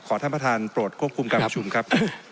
ท่านประธานโปรดควบคุมการประชุมครับ